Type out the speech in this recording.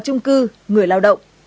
chung cư người lao động